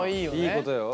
いいことよ。